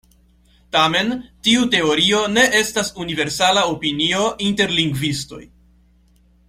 Tamen, tiu teorio ne estas universala opinio inter lingvistoj.